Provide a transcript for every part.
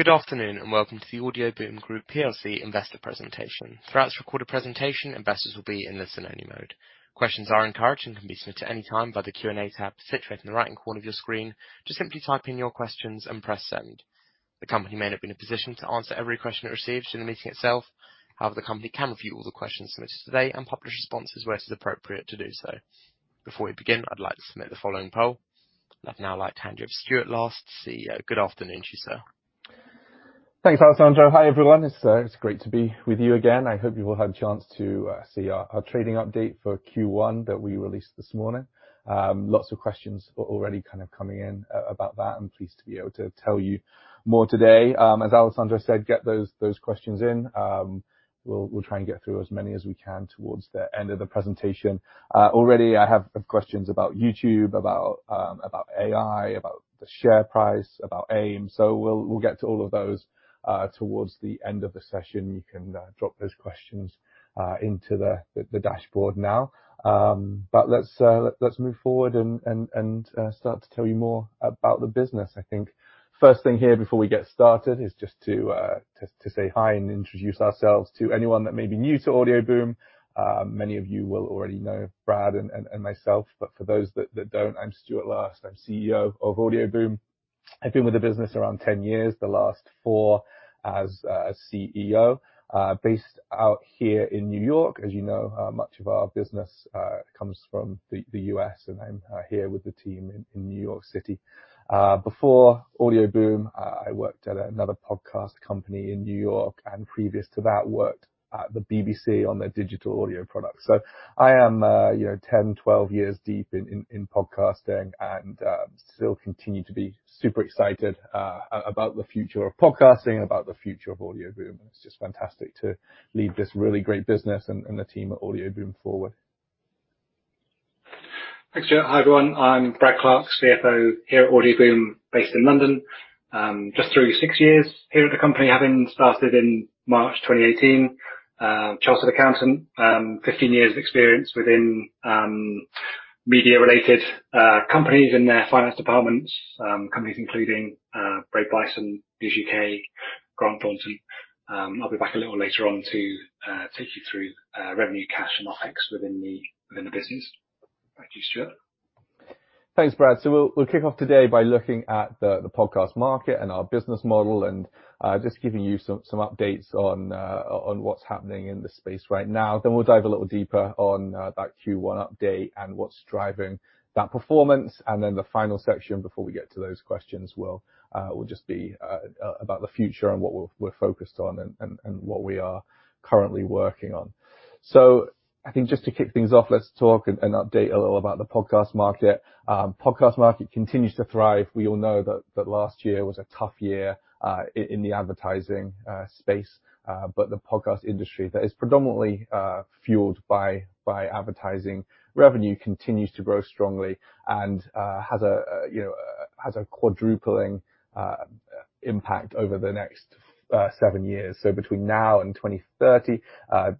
Good afternoon and welcome to the Audioboom Group PLC investor presentation. Throughout this recorded presentation, investors will be in listen-only mode. Questions are encouraged and can be submitted anytime by the Q&A tab situated in the right-hand corner of your screen. Just simply type in your questions and press send. The company may not be in a position to answer every question it receives during the meeting itself; however, the company can review all the questions submitted today and publish responses where it is appropriate to do so. Before we begin, I'd like to submit the following poll. Let me now like to hand you over to Stuart Last, CEO. Good afternoon to you, sir. Thanks, Alessandro. Hi everyone. It's great to be with you again. I hope you will have a chance to see our trading update for Q1 that we released this morning. Lots of questions already kind of coming in about that, and pleased to be able to tell you more today. As Alessandro said, get those questions in. We'll try and get through as many as we can towards the end of the presentation. Already, I have questions about YouTube, about AI, about the share price, about AIM. So we'll get to all of those towards the end of the session. You can drop those questions into the dashboard now. But let's move forward and start to tell you more about the business, I think. First thing here, before we get started, is just to say hi and introduce ourselves to anyone that may be new to Audioboom. Many of you will already know Brad and myself, but for those that don't, I'm Stuart Last. I'm CEO of Audioboom. I've been with the business around 10 years, the last 4 as CEO. Based out here in New York, as you know, much of our business comes from the U.S., and I'm here with the team in New York City. Before Audioboom, I worked at another podcast company in New York, and previous to that, worked at the BBC on their digital audio products. So I am 10, 12 years deep in podcasting, and still continue to be super excited about the future of podcasting and about the future of Audioboom. It's just fantastic to lead this really great business and the team at Audioboom forward. Thanks, Joe. Hi everyone. I'm Brad Clarke, CFO here at Audioboom, based in London. Just through 6 years here at the company, having started in March 2018. Chartered accountant, 15 years of experience within media-related companies and their finance departments, companies including Brave Bison, News UK, Grant Thornton. I'll be back a little later on to take you through revenue, cash, and OpEx within the business. Thank you, Stuart. Thanks, Brad. We'll kick off today by looking at the podcast market and our business model, and just giving you some updates on what's happening in the space right now. Then we'll dive a little deeper on that Q1 update and what's driving that performance. The final section, before we get to those questions, will just be about the future and what we're focused on and what we are currently working on. I think just to kick things off, let's talk and update a little about the podcast market. Podcast market continues to thrive. We all know that last year was a tough year in the advertising space. But the podcast industry, that is predominantly fueled by advertising revenue, continues to grow strongly and has a quadrupling impact over the next seven years. So between now and 2030,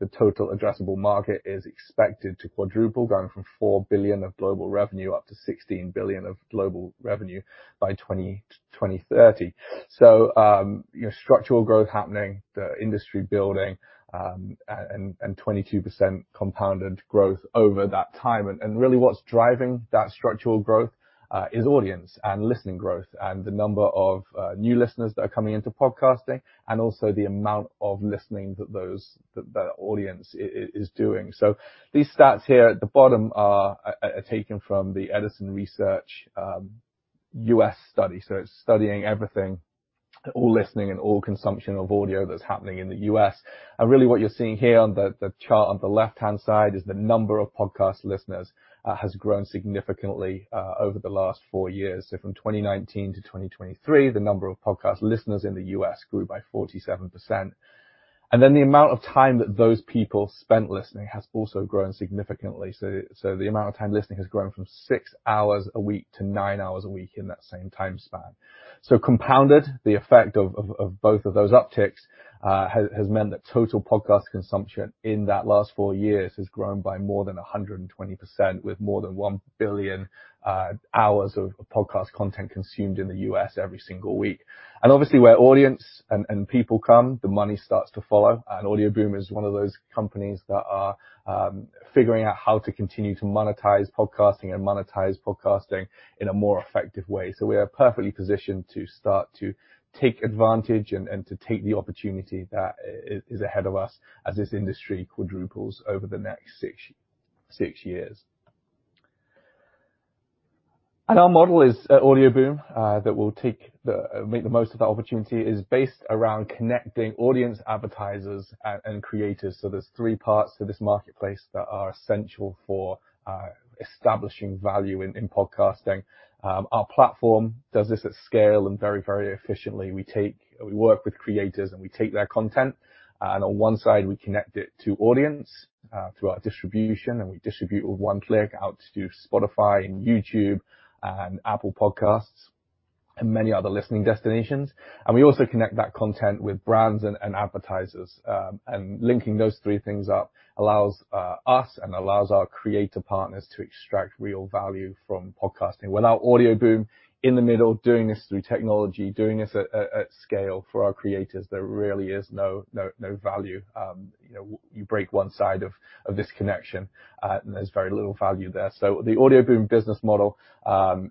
the total addressable market is expected to quadruple, going from $4 billion of global revenue up to $16 billion of global revenue by 2030. So structural growth happening, the industry building, and 22% compounded growth over that time. And really, what's driving that structural growth is audience and listening growth, and the number of new listeners that are coming into podcasting, and also the amount of listening that the audience is doing. So these stats here at the bottom are taken from the Edison Research U.S. study. So it's studying everything, all listening and all consumption of audio that's happening in the U.S. And really, what you're seeing here on the chart on the left-hand side is the number of podcast listeners has grown significantly over the last four years. So from 2019 to 2023, the number of podcast listeners in the U.S. grew by 47%. And then the amount of time that those people spent listening has also grown significantly. So the amount of time listening has grown from six hours a week to nine hours a week in that same time span. So compounded, the effect of both of those upticks has meant that total podcast consumption in that last four years has grown by more than 120%, with more than 1 billion hours of podcast content consumed in the U.S. every single week. And obviously, where audience and people come, the money starts to follow. And Audioboom is one of those companies that are figuring out how to continue to monetize podcasting and monetize podcasting in a more effective way. So we are perfectly positioned to start to take advantage and to take the opportunity that is ahead of us as this industry quadruples over the next six years. Our model is Audioboom, that will make the most of that opportunity. It is based around connecting audience, advertisers, and creators. So there's three parts to this marketplace that are essential for establishing value in podcasting. Our platform does this at scale and very, very efficiently. We work with creators, and we take their content. And on one side, we connect it to audience through our distribution, and we distribute with one click out to Spotify and YouTube and Apple Podcasts and many other listening destinations. And we also connect that content with brands and advertisers. And linking those three things up allows us and allows our creator partners to extract real value from podcasting. Without Audioboom in the middle, doing this through technology, doing this at scale for our creators, there really is no value. You break one side of this connection, and there's very little value there. The Audioboom business model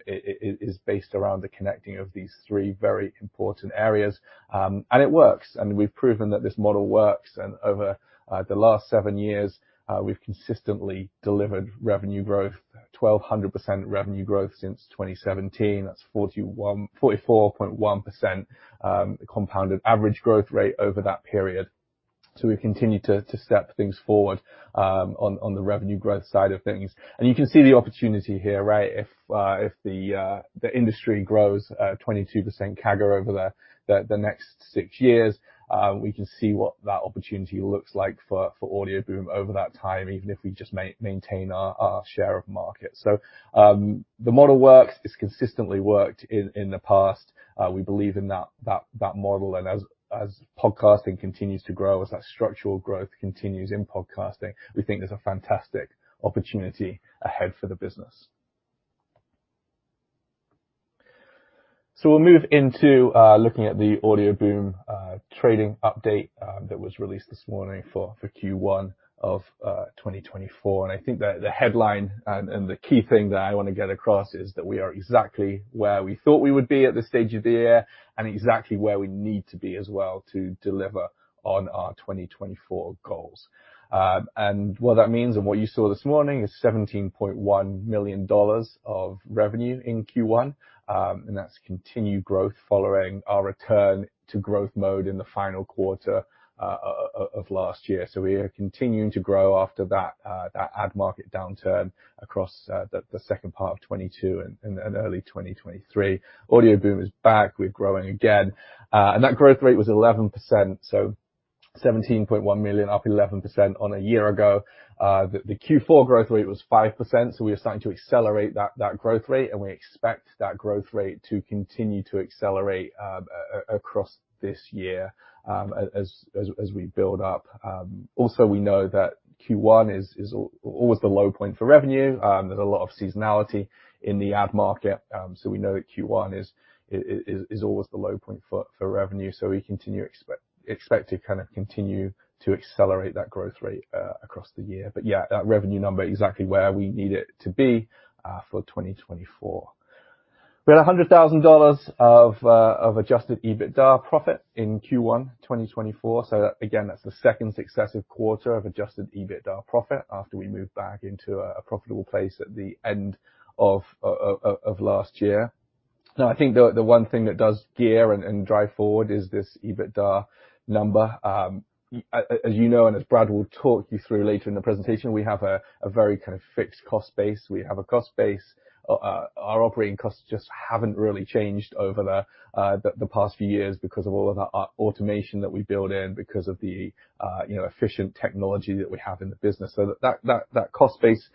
is based around the connecting of these 3 very important areas. It works. We've proven that this model works. Over the last 7 years, we've consistently delivered revenue growth, 1,200% revenue growth since 2017. That's 44.1% compounded average growth rate over that period. We've continued to step things forward on the revenue growth side of things. You can see the opportunity here, right? If the industry grows 22% CAGR over the next 6 years, we can see what that opportunity looks like for Audioboom over that time, even if we just maintain our share of market. The model works. It's consistently worked in the past. We believe in that model. And as podcasting continues to grow, as that structural growth continues in podcasting, we think there's a fantastic opportunity ahead for the business. So we'll move into looking at the Audioboom trading update that was released this morning for Q1 of 2024. And I think that the headline and the key thing that I want to get across is that we are exactly where we thought we would be at this stage of the year, and exactly where we need to be as well to deliver on our 2024 goals. And what that means and what you saw this morning is $17.1 million of revenue in Q1. And that's continued growth following our return to growth mode in the final quarter of last year. So we are continuing to grow after that ad market downturn across the second part of 2022 and early 2023. Audioboom is back. We're growing again. That growth rate was 11%. So $17.1 million up 11% on a year ago. The Q4 growth rate was 5%. We are starting to accelerate that growth rate. We expect that growth rate to continue to accelerate across this year as we build up. Also, we know that Q1 is always the low point for revenue. There's a lot of seasonality in the ad market. We know that Q1 is always the low point for revenue. We expect to kind of continue to accelerate that growth rate across the year. Yeah, that revenue number, exactly where we need it to be for 2024. We had $100,000 of Adjusted EBITDA profit in Q1 2024. Again, that's the second successive quarter of Adjusted EBITDA profit after we moved back into a profitable place at the end of last year. Now, I think the one thing that does gear and drive forward is this EBITDA number. As you know, and as Brad will talk you through later in the presentation, we have a very kind of fixed cost base. We have a cost base. Our operating costs just haven't really changed over the past few years because of all of the automation that we build in, because of the efficient technology that we have in the business. So that cost base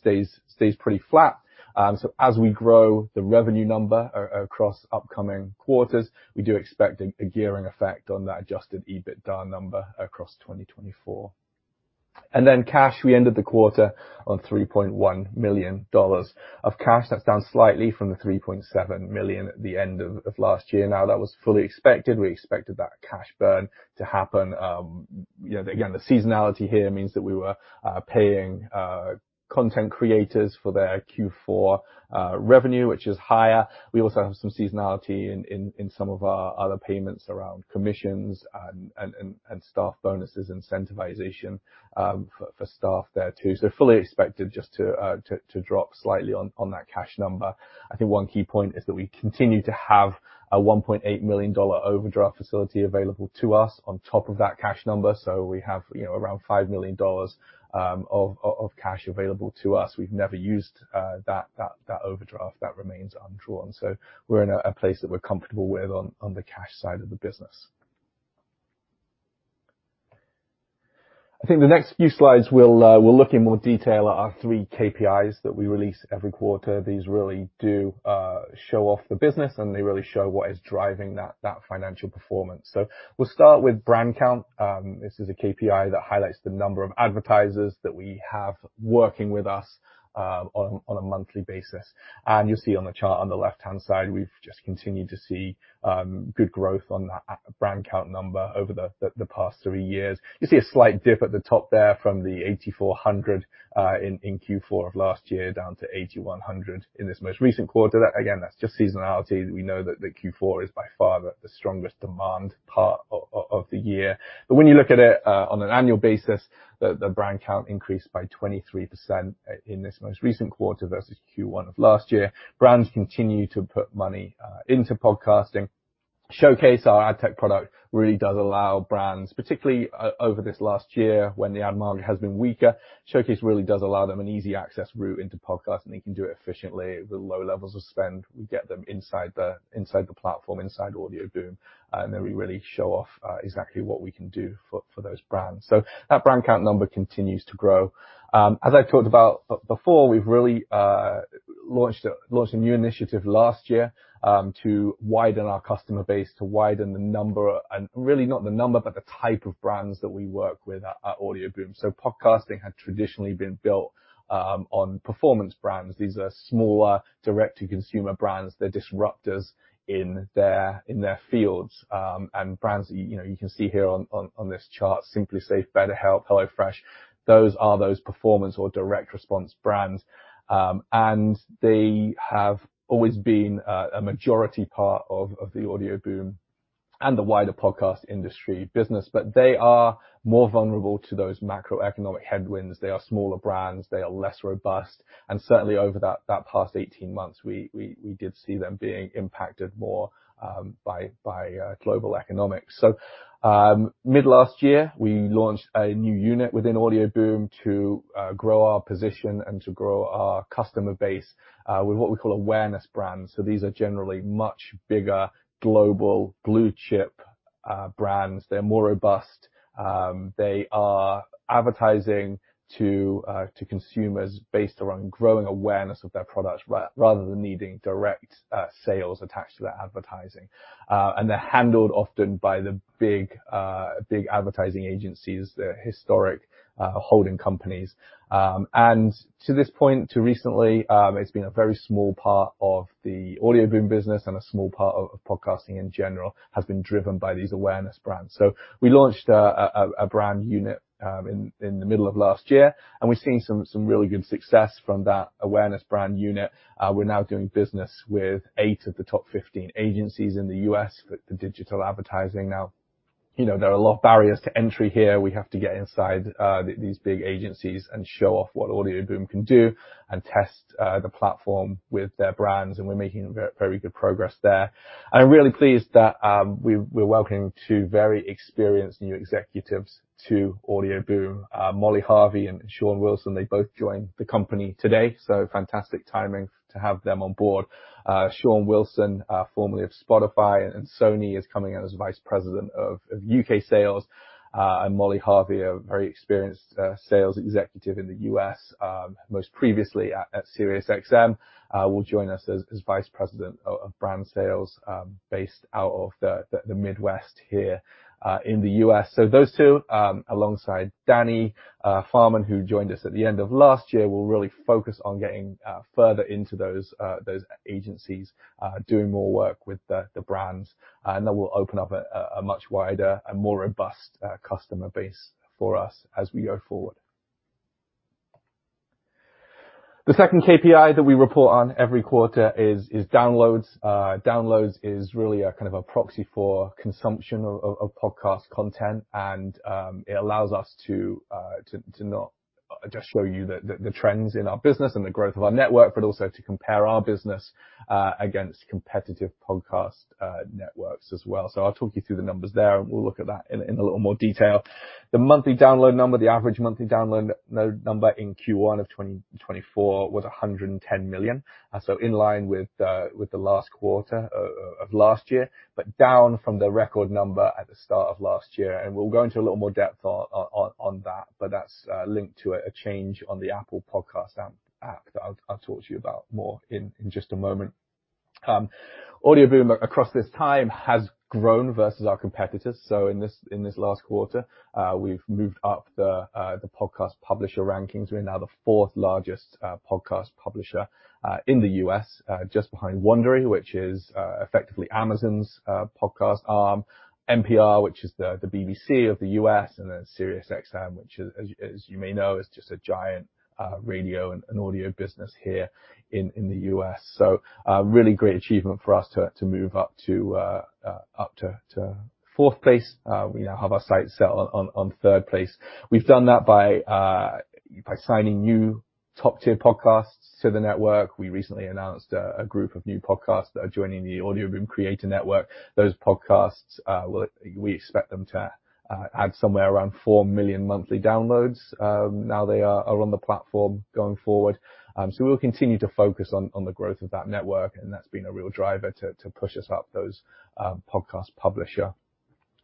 stays pretty flat. So as we grow the revenue number across upcoming quarters, we do expect a gearing effect on that adjusted EBITDA number across 2024. And then cash, we ended the quarter on $3.1 million of cash. That's down slightly from the $3.7 million at the end of last year. Now, that was fully expected. We expected that cash burn to happen. Again, the seasonality here means that we were paying content creators for their Q4 revenue, which is higher. We also have some seasonality in some of our other payments around commissions and staff bonuses incentivization for staff there, too. So fully expected just to drop slightly on that cash number. I think one key point is that we continue to have a $1.8 million overdraft facility available to us on top of that cash number. So we have around $5 million of cash available to us. We've never used that overdraft. That remains undrawn. So we're in a place that we're comfortable with on the cash side of the business. I think the next few slides we'll look in more detail at our three KPIs that we release every quarter. These really do show off the business, and they really show what is driving that financial performance. We'll start with brand count. This is a KPI that highlights the number of advertisers that we have working with us on a monthly basis. You'll see on the chart on the left-hand side, we've just continued to see good growth on that brand count number over the past three years. You see a slight dip at the top there from the $8,400 in Q4 of last year down to $8,100 in this most recent quarter. Again, that's just seasonality. We know that Q4 is by far the strongest demand part of the year. But when you look at it on an annual basis, the brand count increased by 23% in this most recent quarter versus Q1 of last year. Brands continue to put money into podcasting. Showcase our ad tech product really does allow brands, particularly over this last year when the ad market has been weaker. Showcase really does allow them an easy access route into podcasts, and they can do it efficiently with low levels of spend. We get them inside the platform, inside Audioboom. And then we really show off exactly what we can do for those brands. So that brand count number continues to grow. As I've talked about before, we've really launched a new initiative last year to widen our customer base, to widen the number, and really not the number, but the type of brands that we work with at Audioboom. So podcasting had traditionally been built on performance brands. These are smaller, direct-to-consumer brands. They're disruptors in their fields. Brands that you can see here on this chart, SimpliSafe, BetterHelp, HelloFresh, those are those performance or direct response brands. They have always been a majority part of the Audioboom and the wider podcast industry business. They are more vulnerable to those macroeconomic headwinds. They are smaller brands. They are less robust. Certainly, over the past 18 months, we did see them being impacted more by global economics. Mid-last year, we launched a new unit within Audioboom to grow our position and to grow our customer base with what we call awareness brands. These are generally much bigger, global, blue-chip brands. They're more robust. They are advertising to consumers based around growing awareness of their products, rather than needing direct sales attached to that advertising. They're handled often by the big advertising agencies, the historic holding companies. And to this point, until recently, it's been a very small part of the Audioboom business and a small part of podcasting in general has been driven by these awareness brands. So we launched a brand unit in the middle of last year. And we've seen some really good success from that awareness brand unit. We're now doing business with eight of the top 15 agencies in the US for digital advertising. Now, there are a lot of barriers to entry here. We have to get inside these big agencies and show off what Audioboom can do and test the platform with their brands. And we're making very good progress there. And I'm really pleased that we're welcoming two very experienced new executives to Audioboom. Molly Harvey and Shaun Wilson, they both joined the company today. So fantastic timing to have them on board. Shaun Wilson, formerly of Spotify and Sony, is coming in as Vice President of U.K. Sales. Molly Harvey, a very experienced sales executive in the U.S., most previously at SiriusXM, will join us as Vice President of Brand Sales, based out of the Midwest here in the U.S. So those two, alongside Danny Farman, who joined us at the end of last year, will really focus on getting further into those agencies, doing more work with the brands. And that will open up a much wider and more robust customer base for us as we go forward. The second KPI that we report on every quarter is downloads. Downloads is really kind of a proxy for consumption of podcast content. It allows us to not just show you the trends in our business and the growth of our network, but also to compare our business against competitive podcast networks as well. I'll talk you through the numbers there, and we'll look at that in a little more detail. The monthly download number, the average monthly download number in Q1 of 2024, was $110 million. In line with the last quarter of last year, but down from the record number at the start of last year. We'll go into a little more depth on that. But that's linked to a change on the Apple Podcasts app that I'll talk to you about more in just a moment. Audioboom, across this time, has grown versus our competitors. In this last quarter, we've moved up the podcast publisher rankings. We're now the fourth largest podcast publisher in the U.S., just behind Wondery, which is effectively Amazon's podcast arm, NPR, which is the BBC of the U.S., and then SiriusXM, which, as you may know, is just a giant radio and audio business here in the U.S. So really great achievement for us to move up to fourth place. We now have our sights set on third place. We've done that by signing new top-tier podcasts to the network. We recently announced a group of new podcasts that are joining the Audioboom Creator Network. Those podcasts, we expect them to add somewhere around 4 million monthly downloads now that they are on the platform going forward. So we'll continue to focus on the growth of that network. That's been a real driver to push us up those podcast publisher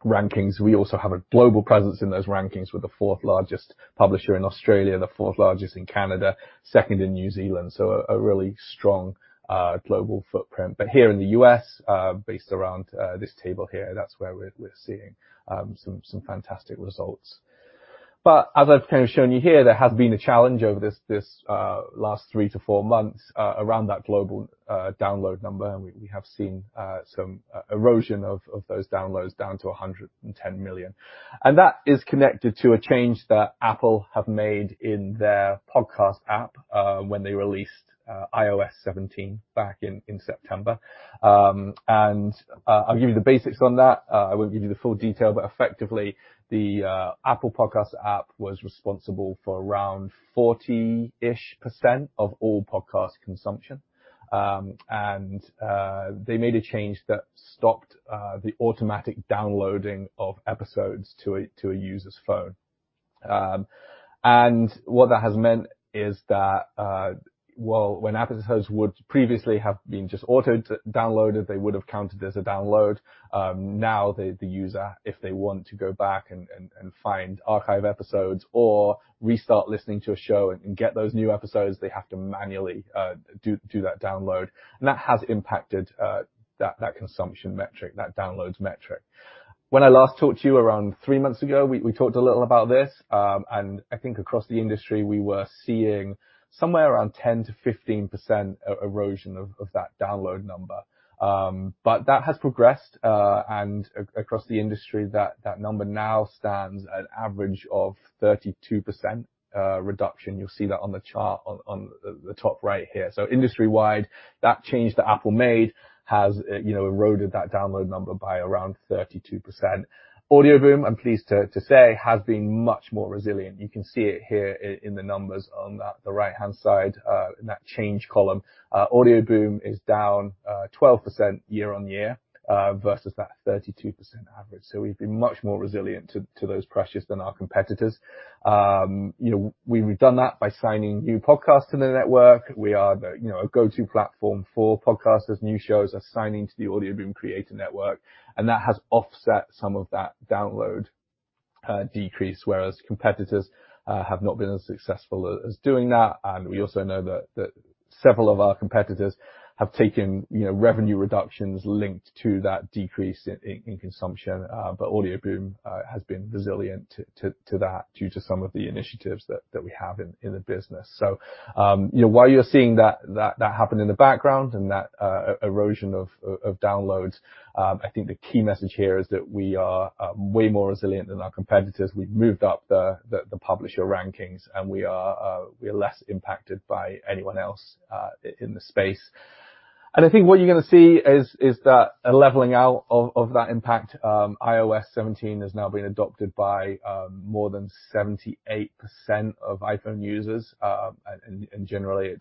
rankings. We also have a global presence in those rankings with the fourth largest publisher in Australia, the fourth largest in Canada, second in New Zealand. So a really strong global footprint. But here in the U.S., based around this table here, that's where we're seeing some fantastic results. But as I've kind of shown you here, there has been a challenge over this last 3-4 months around that global download number. We have seen some erosion of those downloads down to 110 million. That is connected to a change that Apple have made in their podcast app when they released iOS 17 back in September. I'll give you the basics on that. I won't give you the full detail. But effectively, the Apple Podcasts app was responsible for around 40%-ish of all podcast consumption. They made a change that stopped the automatic downloading of episodes to a user's phone. What that has meant is that, well, when episodes would previously have been just auto-downloaded, they would have counted as a download. Now the user, if they want to go back and find archived episodes or restart listening to a show and get those new episodes, they have to manually do that download. That has impacted that consumption metric, that downloads metric. When I last talked to you around three months ago, we talked a little about this. I think across the industry, we were seeing somewhere around 10%-15% erosion of that download number. But that has progressed. Across the industry, that number now stands at an average of 32% reduction. You'll see that on the chart on the top right here. So industry-wide, that change that Apple made has eroded that download number by around 32%. Audioboom, I'm pleased to say, has been much more resilient. You can see it here in the numbers on the right-hand side, in that change column. Audioboom is down 12% year-on-year versus that 32% average. So we've been much more resilient to those pressures than our competitors. We've done that by signing new podcasts to the network. We are a go-to platform for podcasters, new shows, are signing to the Audioboom Creator Network. And that has offset some of that download decrease, whereas competitors have not been as successful as doing that. And we also know that several of our competitors have taken revenue reductions linked to that decrease in consumption. But Audioboom has been resilient to that due to some of the initiatives that we have in the business. While you're seeing that happen in the background and that erosion of downloads, I think the key message here is that we are way more resilient than our competitors. We've moved up the publisher rankings. We are less impacted by anyone else in the space. I think what you're going to see is that a leveling out of that impact. iOS 17 has now been adopted by more than 78% of iPhone users. Generally,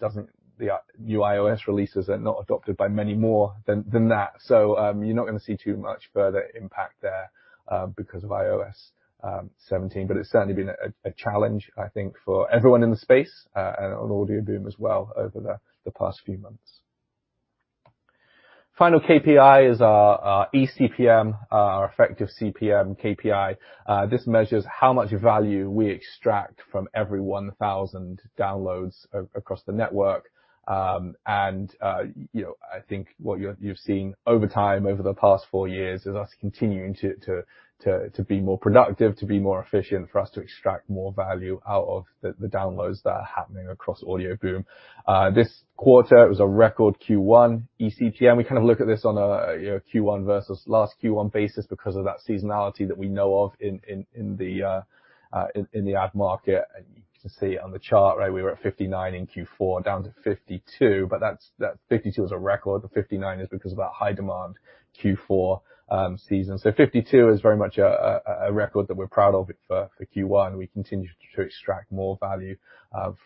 the new iOS releases are not adopted by many more than that. You're not going to see too much further impact there because of iOS 17. It's certainly been a challenge, I think, for everyone in the space and on Audioboom as well over the past few months. Final KPI is our eCPM, our effective CPM KPI. This measures how much value we extract from every 1,000 downloads across the network. And I think what you've seen over time, over the past 4 years, is us continuing to be more productive, to be more efficient, for us to extract more value out of the downloads that are happening across Audioboom. This quarter, it was a record Q1 eCPM. We kind of look at this on a Q1 versus last Q1 basis because of that seasonality that we know of in the ad market. And you can see on the chart, right, we were at 59 in Q4, down to 52. But 52 is a record. The 59 is because of that high-demand Q4 season. So 52 is very much a record that we're proud of for Q1. We continue to extract more value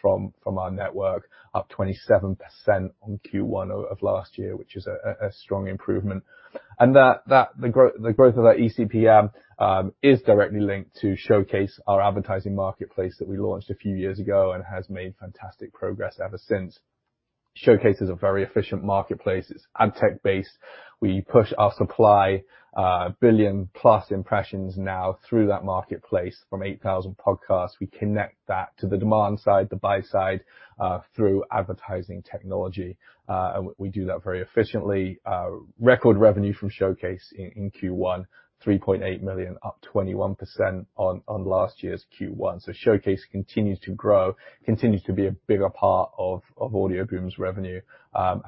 from our network, up 27% on Q1 of last year, which is a strong improvement. The growth of that eCPM is directly linked to Showcase, our advertising marketplace that we launched a few years ago and has made fantastic progress ever since. Showcase is a very efficient marketplace. It's ad tech-based. We push our supply billion-plus impressions now through that marketplace from 8,000 podcasts. We connect that to the demand side, the buy-side, through advertising technology. We do that very efficiently. Record revenue from Showcase in Q1, $3.8 million, up 21% on last year's Q1. Showcase continues to grow, continues to be a bigger part of Audioboom's revenue.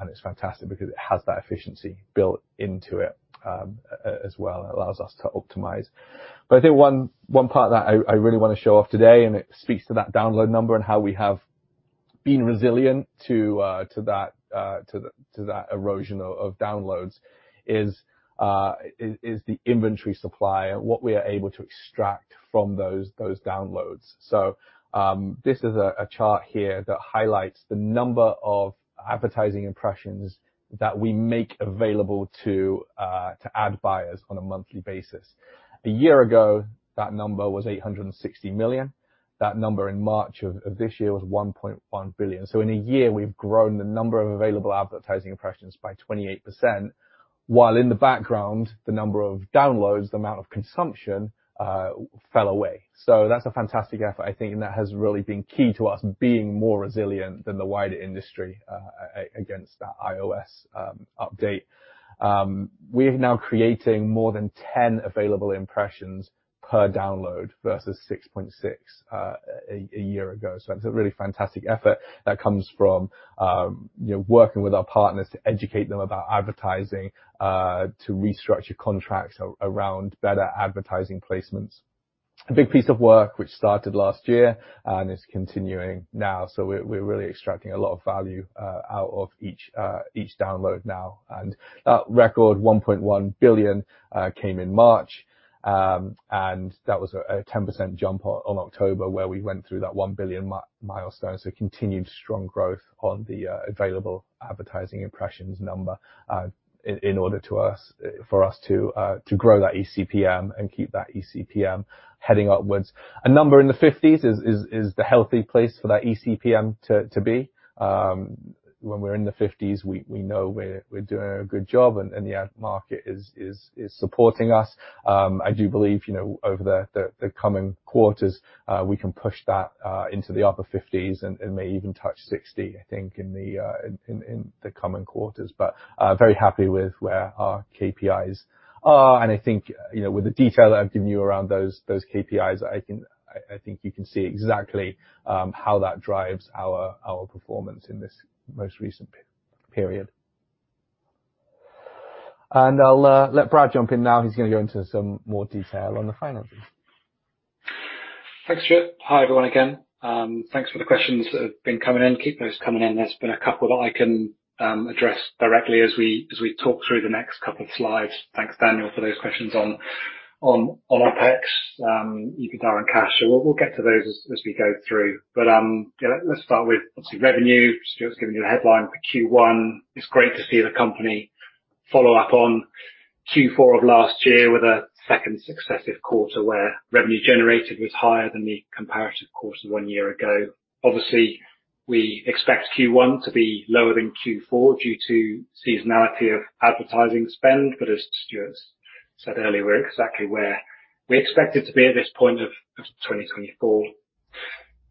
It's fantastic because it has that efficiency built into it as well. It allows us to optimize. But I think one part that I really want to show off today, and it speaks to that download number and how we have been resilient to that erosion of downloads, is the inventory supply and what we are able to extract from those downloads. So this is a chart here that highlights the number of advertising impressions that we make available to ad buyers on a monthly basis. A year ago, that number was $860 million. That number in March of this year was $1.1 billion. So in a year, we've grown the number of available advertising impressions by 28%. While in the background, the number of downloads, the amount of consumption, fell away. So that's a fantastic effort, I think. And that has really been key to us being more resilient than the wider industry against that iOS update. We are now creating more than 10 available impressions per download versus 6.6 a year ago. So it's a really fantastic effort that comes from working with our partners to educate them about advertising, to restructure contracts around better advertising placements. A big piece of work, which started last year and is continuing now. So we're really extracting a lot of value out of each download now. And that record, $1.1 billion, came in March. And that was a 10% jump on October, where we went through that $1 billion milestone. So continued strong growth on the available advertising impressions number in order for us to grow that eCPM and keep that eCPM heading upwards. A number in the 50s is the healthy place for that eCPM to be. When we're in the 50s, we know we're doing a good job. And the ad market is supporting us. I do believe over the coming quarters, we can push that into the upper 50s and may even touch 60, I think, in the coming quarters. But very happy with where our KPIs are. And I think with the detail that I've given you around those KPIs, I think you can see exactly how that drives our performance in this most recent period. And I'll let Brad jump in now. He's going to go into some more detail on the finances. Thanks, Stuart. Hi, everyone, again. Thanks for the questions that have been coming in. Keep those coming in. There's been a couple that I can address directly as we talk through the next couple of slides. Thanks, Daniel, for those questions on OpEx, EBITDA, and cash. So we'll get to those as we go through. But let's start with, obviously, revenue. Stuart's given you a headline for Q1. It's great to see the company follow up on Q4 of last year with a second successive quarter where revenue generated was higher than the comparative quarter one year ago. Obviously, we expect Q1 to be lower than Q4 due to seasonality of advertising spend. But as Stuart said earlier, we're exactly where we expected to be at this point of 2024.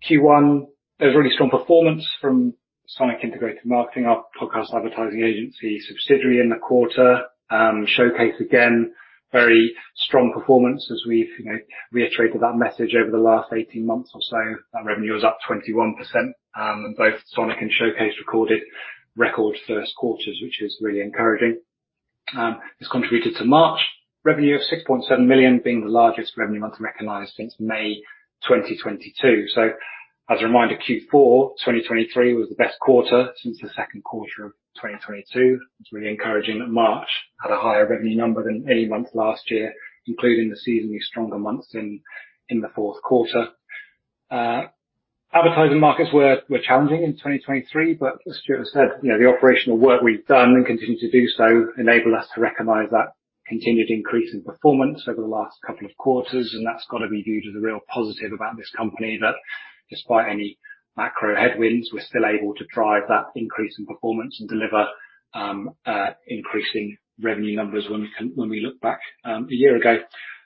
Q1, there's really strong performance from Sonic Integrated Marketing, our podcast advertising agency subsidiary, in the quarter. Showcase, again, very strong performance as we've reiterated that message over the last 18 months or so. That revenue was up 21%. And both Sonic and Showcase recorded record Q1s, which is really encouraging. This contributed to March revenue of $6.7 million, being the largest revenue month recognized since May 2022. So as a reminder, Q4 2023 was the best quarter since the Q2 of 2022. It was really encouraging that March had a higher revenue number than any month last year, including the seasonally stronger months in the Q4. Advertising markets were challenging in 2023. But as Stuart said, the operational work we've done and continue to do so enabled us to recognize that continued increase in performance over the last couple of quarters. That's got to be viewed as a real positive about this company, that despite any macro headwinds, we're still able to drive that increase in performance and deliver increasing revenue numbers when we look back a year ago.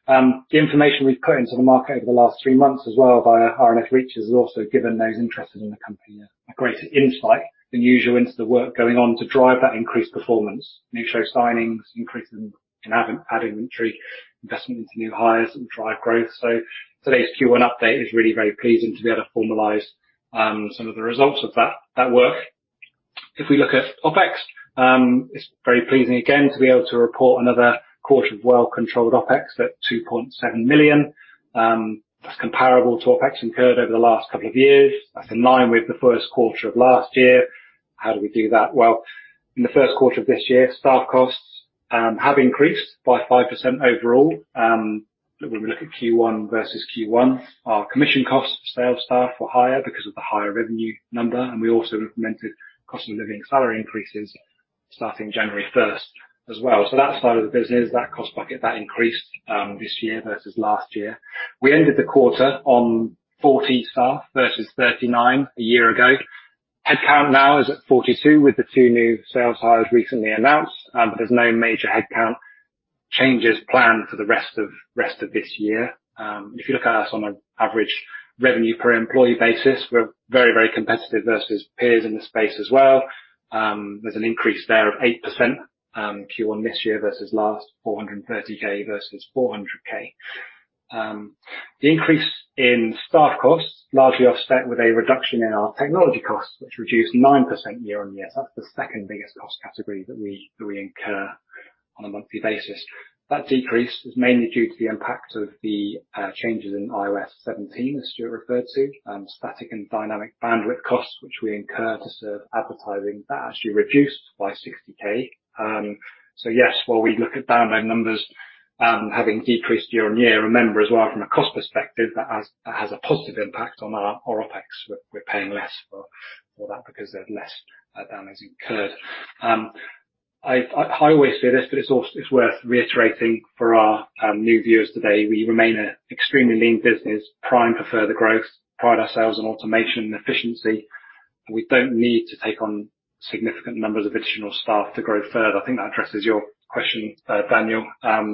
The information we've put into the market over the last three months as well via RNS Reach has also given those interested in the company a greater insight than usual into the work going on to drive that increased performance. New show signings, increase in ad inventory, investment into new hires that will drive growth. So today's Q1 update is really, very pleasing to be able to formalize some of the results of that work. If we look at OpEx, it's very pleasing, again, to be able to report another quarter of well-controlled OpEx at $2.7 million. That's comparable to OpEx incurred over the last couple of years. That's in line with the Q1 of last year. How do we do that? Well, in the Q1 of this year, staff costs have increased by 5% overall when we look at Q1 versus Q1. Our commission costs for sales staff were higher because of the higher revenue number. And we also implemented cost of living salary increases starting January 1st as well. So that side of the business, that cost bucket, that increased this year versus last year. We ended the quarter on 40 staff versus 39 a year ago. Headcount now is at 42, with the 2 new sales hires recently announced. But there's no major headcount changes planned for the rest of this year. If you look at us on an average revenue per employee basis, we're very, very competitive versus peers in the space as well. There's an increase there of 8% Q1 this year versus last, $430K versus $400K. The increase in staff costs largely offset with a reduction in our technology costs, which reduced 9% year-on-year. So that's the second biggest cost category that we incur on a monthly basis. That decrease is mainly due to the impact of the changes in iOS 17, as Stuart referred to, static and dynamic bandwidth costs, which we incur to serve advertising. That actually reduced by $60K. So yes, while we look at download numbers having decreased year-over-year, remember as well, from a cost perspective, that has a positive impact on our OpEx. We're paying less for that because there's less downloads incurred. I always say this, but it's worth reiterating for our new viewers today. We remain an extremely lean business, primed for further growth, pride ourselves on automation and efficiency. We don't need to take on significant numbers of additional staff to grow further. I think that addresses your question, Daniel.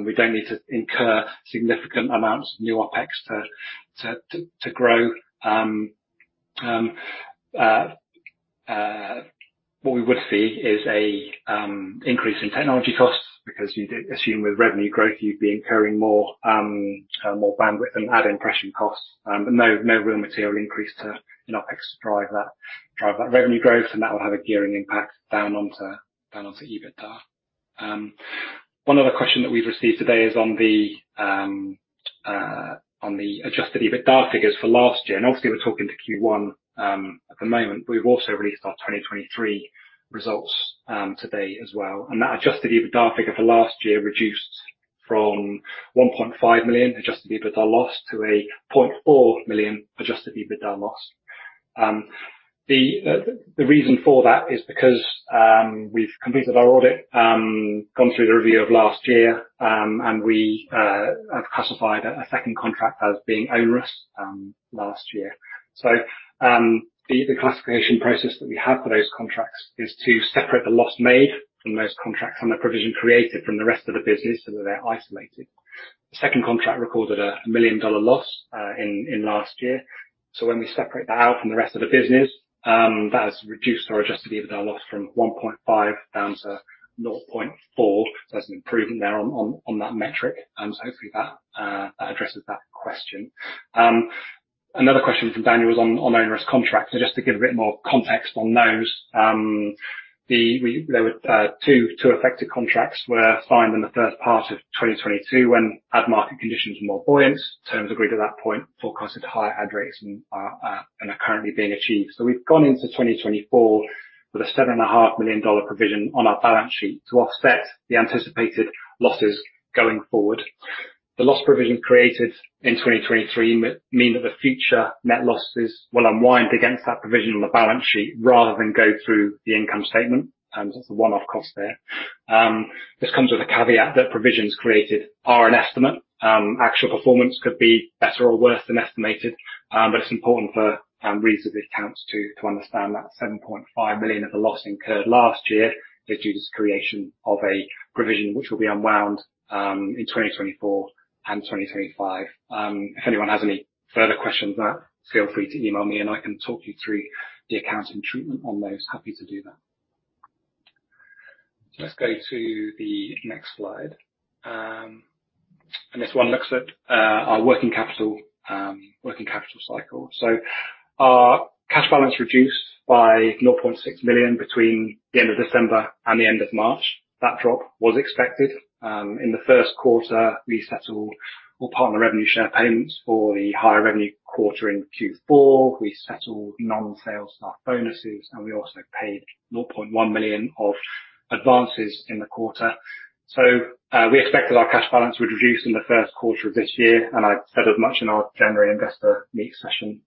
We don't need to incur significant amounts of new OpEx to grow. What we would see is an increase in technology costs because you'd assume with revenue growth, you'd be incurring more bandwidth and ad impression costs. But no real material increase in OpEx to drive that revenue growth. And that would have a gearing impact down onto EBITDA. One other question that we've received today is on the Adjusted EBITDA figures for last year. Obviously, we're talking to Q1 at the moment. We've also released our 2023 results today as well. That Adjusted EBITDA figure for last year reduced from $1.5 million Adjusted EBITDA loss to a $0.4 million Adjusted EBITDA loss. The reason for that is because we've completed our audit, gone through the review of last year, and we have classified a second contract as being onerous last year. The classification process that we have for those contracts is to separate the loss made from those contracts and the provision created from the rest of the business so that they're isolated. The second contract recorded a $1 million loss in last year. So when we separate that out from the rest of the business, that has reduced our Adjusted EBITDA loss from $1.5 down to $0.4. So there's an improvement there on that metric. And hopefully, that addresses that question. Another question from Daniel was on onerous contracts. So just to give a bit more context on those, two affected contracts were signed in the first part of 2022 when ad market conditions were more buoyant. Terms agreed at that point forecasted higher ad rates and are currently being achieved. So we've gone into 2024 with a $7.5 million provision on our balance sheet to offset the anticipated losses going forward. The loss provision created in 2023 means that the future net losses will unwind against that provision on the balance sheet rather than go through the income statement. That's a one-off cost there. This comes with a caveat that provisions created are an estimate. Actual performance could be better or worse than estimated. It's important for reads of the accounts to understand that $7.5 million of the loss incurred last year is due to the creation of a provision, which will be unwound in 2024 and 2025. If anyone has any further questions on that, feel free to email me. I can talk you through the accounting treatment on those. Happy to do that. Let's go to the next slide. This one looks at our working capital cycle. Our cash balance reduced by $0.6 million between the end of December and the end of March. That drop was expected. In the Q1, we settled all partner revenue share payments for the higher revenue quarter in Q4. We settled non-sales staff bonuses. And we also paid $0.1 million of advances in the quarter. So we expected our cash balance would reduce in the Q1 of this year. And I said as much in our January Investor Meet session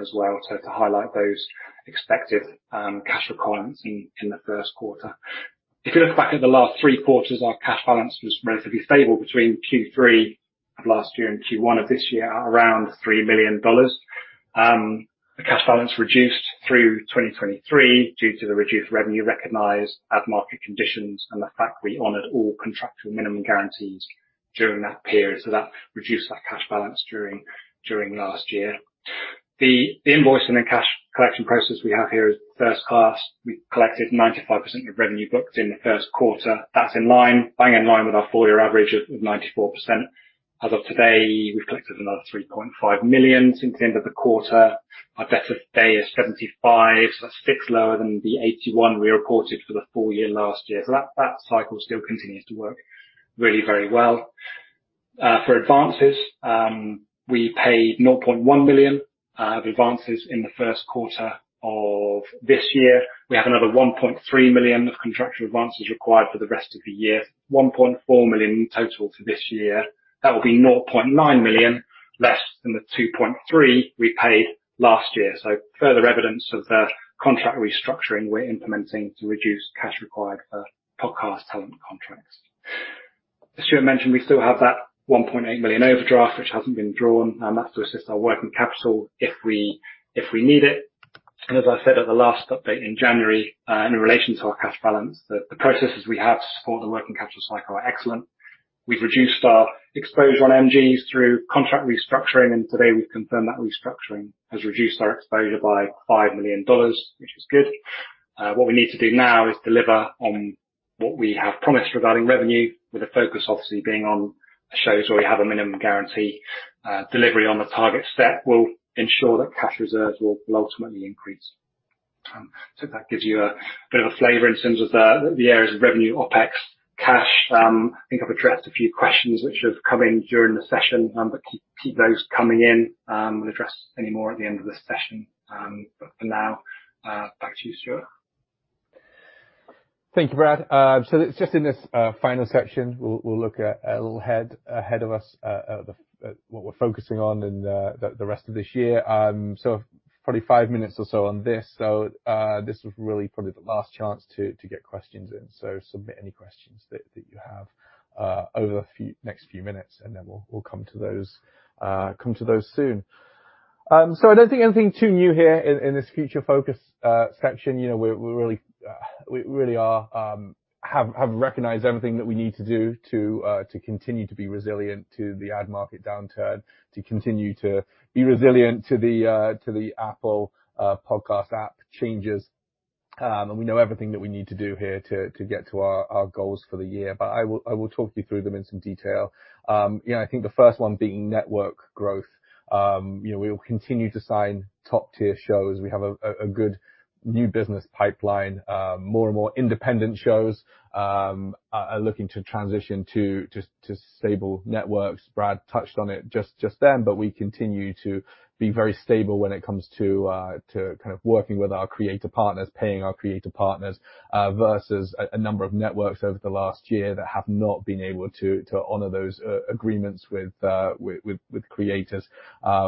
as well to highlight those expected cash requirements in the Q1. If you look back at the last three quarters, our cash balance was relatively stable between Q3 of last year and Q1 of this year, around $3 million. The cash balance reduced through 2023 due to the reduced revenue recognized, ad market conditions, and the fact we honored all contractual minimum guarantees during that period. So that reduced that cash balance during last year. The invoicing and cash collection process we have here is first class. We collected 95% of revenue books in the Q1. That's bang in line with our four-year average of 94%. As of today, we've collected another $3.5 million since the end of the quarter. Our days payable is 75. That's 6 lower than the 81 we reported for the full year last year. So that cycle still continues to work really, very well. For advances, we paid $0.1 million of advances in the Q1 of this year. We have another $1.3 million of contractual advances required for the rest of the year, $1.4 million total for this year. That will be $0.9 million less than the $2.3 we paid last year. So further evidence of the contract restructuring we're implementing to reduce cash required for podcast talent contracts. As Stuart mentioned, we still have that $1.8 million overdraft, which hasn't been drawn. That's to assist our working capital if we need it. As I said at the last update in January, in relation to our cash balance, the processes we have to support the working capital cycle are excellent. We've reduced our exposure on MGs through contract restructuring. And today, we've confirmed that restructuring has reduced our exposure by $5 million, which is good. What we need to do now is deliver on what we have promised regarding revenue, with a focus, obviously, being on shows where we have a minimum guarantee. Delivery on the target set will ensure that cash reserves will ultimately increase. So that gives you a bit of a flavor in terms of the areas of revenue, OpEx, cash. I think I've addressed a few questions which have come in during the session. But keep those coming in. We'll address any more at the end of this session. But for now, back to you, Stuart. Thank you, Brad. Just in this final section, we'll look a little ahead of us at what we're focusing on in the rest of this year. Probably 5 minutes or so on this. This is really probably the last chance to get questions in. Submit any questions that you have over the next few minutes. Then we'll come to those soon. I don't think anything too new here in this future focus section. We really have recognized everything that we need to do to continue to be resilient to the ad market downturn, to continue to be resilient to the Apple podcast app changes. We know everything that we need to do here to get to our goals for the year. I will talk you through them in some detail. I think the first one being network growth. We will continue to sign top-tier shows. We have a good new business pipeline. More and more independent shows are looking to transition to stable networks. Brad touched on it just then. But we continue to be very stable when it comes to kind of working with our creator partners, paying our creator partners, versus a number of networks over the last year that have not been able to honor those agreements with creators.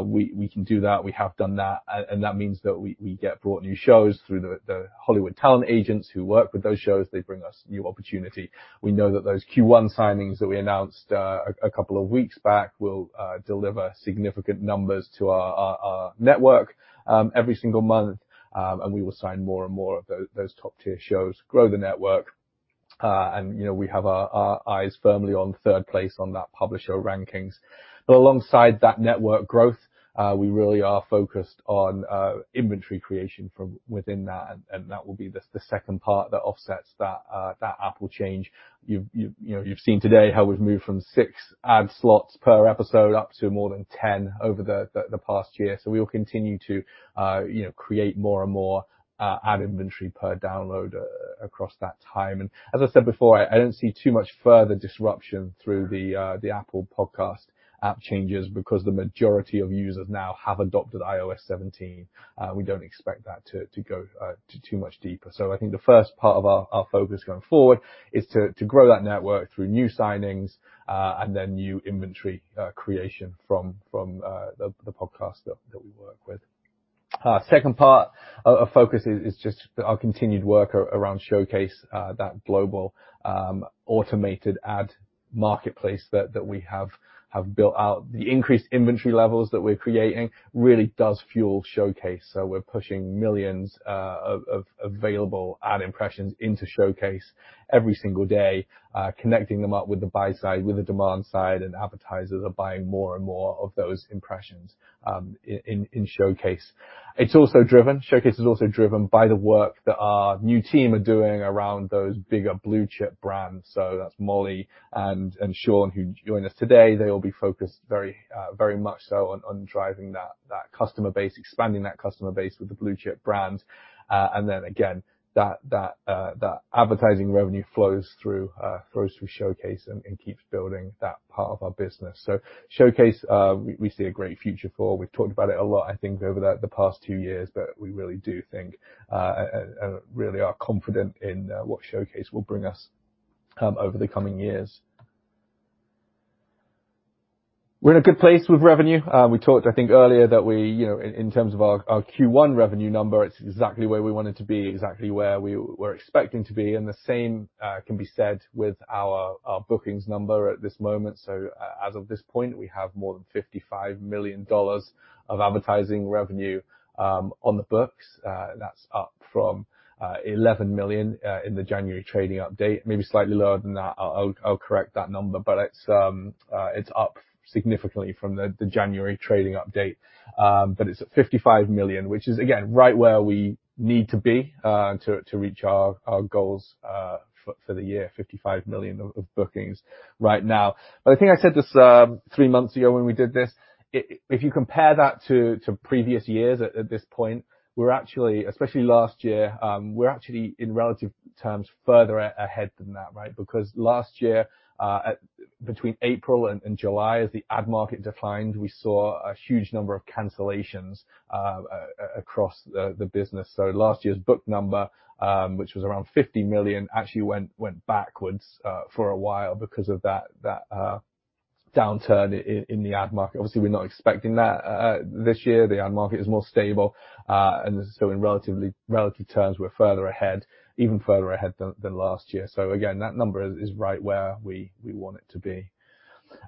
We can do that. We have done that. And that means that we get brought new shows through the Hollywood talent agents who work with those shows. They bring us new opportunity. We know that those Q1 signings that we announced a couple of weeks back will deliver significant numbers to our network every single month. And we will sign more and more of those top-tier shows, grow the network. We have our eyes firmly on third place on that publisher rankings. But alongside that network growth, we really are focused on inventory creation from within that. That will be the second part that offsets that Apple change. You've seen today how we've moved from 6 ad slots per episode up to more than 10 over the past year. So we will continue to create more and more ad inventory per download across that time. And as I said before, I don't see too much further disruption through the Apple podcast app changes because the majority of users now have adopted iOS 17. We don't expect that to go too much deeper. So I think the first part of our focus going forward is to grow that network through new signings and then new inventory creation from the podcast that we work with. Second part of focus is just our continued work around Showcase, that global automated ad marketplace that we have built out. The increased inventory levels that we're creating really does fuel Showcase. So we're pushing millions of available ad impressions into Showcase every single day, connecting them up with the buy-side, with the demand side. And advertisers are buying more and more of those impressions in Showcase. Showcase is also driven by the work that our new team are doing around those bigger blue-chip brands. So that's Molly and Sean, who joined us today. They'll be focused very much so on driving that customer base, expanding that customer base with the blue-chip brands. And then again, that advertising revenue flows through Showcase and keeps building that part of our business. So Showcase, we see a great future for. We've talked about it a lot, I think, over the past two years. But we really do think and really are confident in what Showcase will bring us over the coming years. We're in a good place with revenue. We talked, I think, earlier that in terms of our Q1 revenue number, it's exactly where we wanted to be, exactly where we were expecting to be. And the same can be said with our bookings number at this moment. So as of this point, we have more than $55 million of advertising revenue on the books. That's up from $11 million in the January trading update, maybe slightly lower than that. I'll correct that number. But it's up significantly from the January trading update. But it's at $55 million, which is, again, right where we need to be to reach our goals for the year, $55 million of bookings right now. But I think I said this three months ago when we did this. If you compare that to previous years at this point, we're actually, especially last year, we're actually, in relative terms, further ahead than that, right? Because last year, between April and July, as the ad market declined, we saw a huge number of cancellations across the business. So last year's book number, which was around $50 million, actually went backwards for a while because of that downturn in the ad market. Obviously, we're not expecting that this year. The ad market is more stable. And so in relative terms, we're further ahead, even further ahead than last year. So again, that number is right where we want it to be.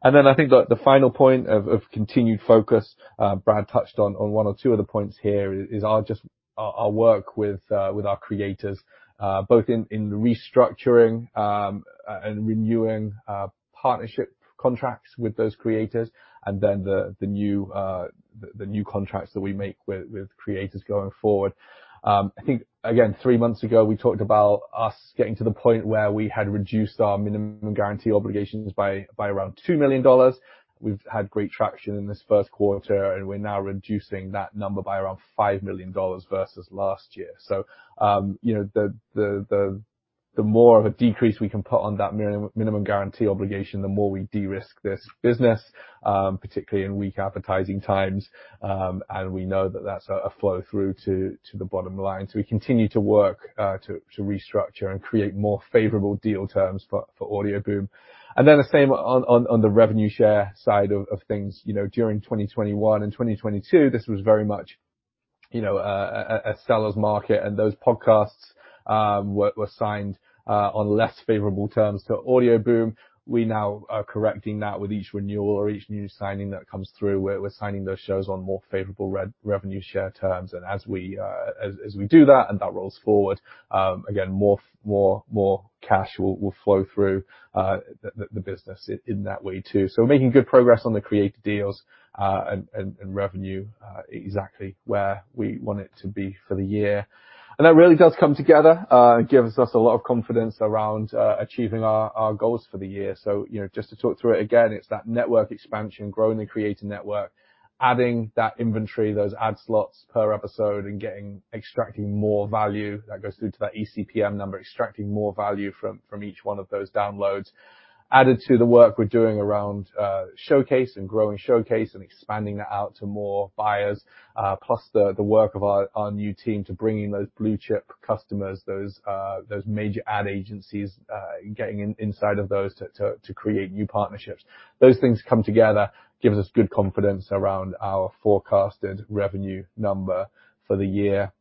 And then I think the final point of continued focus, Brad touched on one or two of the points here, is just our work with our creators, both in restructuring and renewing partnership contracts with those creators and then the new contracts that we make with creators going forward. I think, again, three months ago, we talked about us getting to the point where we had reduced our minimum guarantee obligations by around $2 million. We've had great traction in this Q1. We're now reducing that number by around $5 million versus last year. So the more of a decrease we can put on that minimum guarantee obligation, the more we de-risk this business, particularly in weak advertising times. We know that that's a flow through to the bottom line. So we continue to work to restructure and create more favorable deal terms for Audioboom. And then the same on the revenue share side of things. During 2021 and 2022, this was very much a seller's market. And those podcasts were signed on less favorable terms to Audioboom. We now are correcting that with each renewal or each new signing that comes through. We're signing those shows on more favorable revenue share terms. And as we do that and that rolls forward, again, more cash will flow through the business in that way too. So we're making good progress on the creator deals and revenue exactly where we want it to be for the year. And that really does come together and gives us a lot of confidence around achieving our goals for the year. So just to talk through it again, it's that network expansion, growing the creator network, adding that inventory, those ad slots per episode, and extracting more value. That goes through to that eCPM number, extracting more value from each one of those downloads, added to the work we're doing around Showcase and growing Showcase and expanding that out to more buyers, plus the work of our new team to bringing those blue-chip customers, those major ad agencies, getting inside of those to create new partnerships. Those things come together, gives us good confidence around our forecasted revenue number for the year.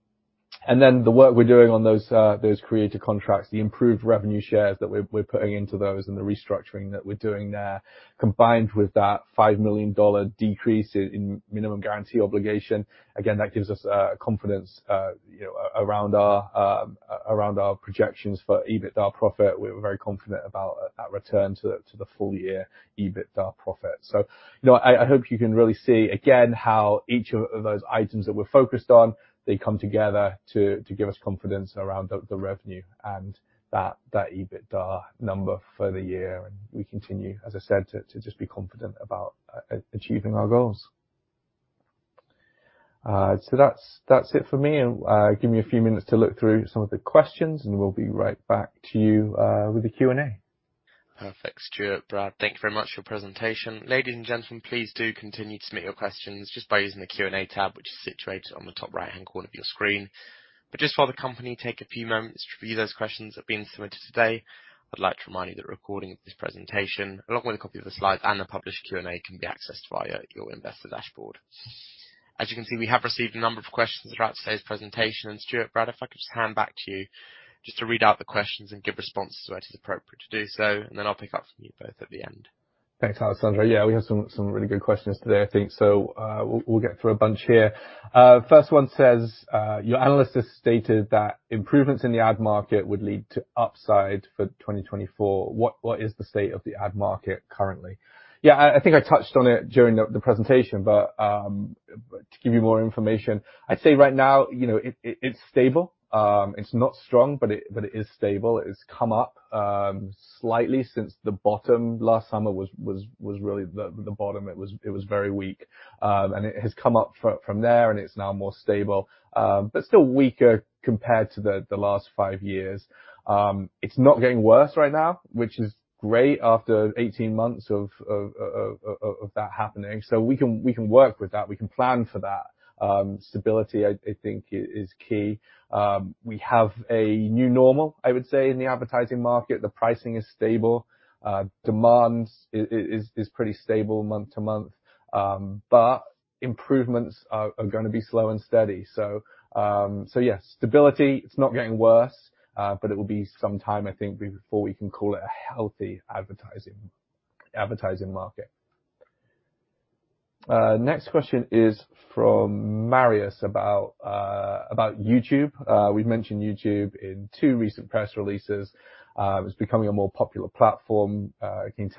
And then the work we're doing on those creator contracts, the improved revenue shares that we're putting into those and the restructuring that we're doing there, combined with that $5 million decrease in minimum guarantee obligation, again, that gives us confidence around our projections for EBITDA profit. We're very confident about that return to the full-year EBITDA profit. I hope you can really see, again, how each of those items that we're focused on, they come together to give us confidence around the revenue and that EBITDA number for the year. We continue, as I said, to just be confident about achieving our goals. That's it for me. Give me a few minutes to look through some of the questions. We'll be right back to you with the Q&A. Perfect, Stuart, Brad. Thank you very much for your presentation. Ladies and gentlemen, please do continue to submit your questions just by using the Q&A tab, which is situated on the top right-hand corner of your screen. But just while the company takes a few moments to review those questions that have been submitted today, I'd like to remind you that a recording of this presentation, along with a copy of the slides and the published Q&A, can be accessed via your Investor Dashboard. As you can see, we have received a number of questions throughout today's presentation. And Stuart, Brad, if I could just hand back to you just to read out the questions and give responses where it is appropriate to do so. And then I'll pick up from you both at the end. Thanks, Alessandro. Yeah, we have some really good questions today, I think. So we'll get through a bunch here. First one says, "Your analysts have stated that improvements in the ad market would lead to upside for 2024. What is the state of the ad market currently?" Yeah, I think I touched on it during the presentation. But to give you more information, I'd say right now, it's stable. It's not strong. But it is stable. It has come up slightly since the bottom. Last summer was really the bottom. It was very weak. And it has come up from there. And it's now more stable, but still weaker compared to the last five years. It's not getting worse right now, which is great after 18 months of that happening. So we can work with that. We can plan for that. Stability, I think, is key. We have a new normal, I would say, in the advertising market. The pricing is stable. Demand is pretty stable month-to-month. But improvements are going to be slow and steady. So yes, stability, it's not getting worse. But it will be some time, I think, before we can call it a healthy advertising market. Next question is from Marius about YouTube. We've mentioned YouTube in two recent press releases. It's becoming a more popular platform. Can